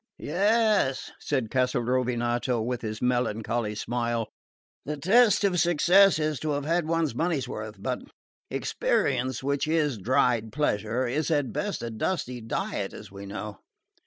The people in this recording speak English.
"Yes," said Castelrovinato with his melancholy smile, "the test of success is to have had one's money's worth; but experience, which is dried pleasure, is at best a dusty diet, as we know.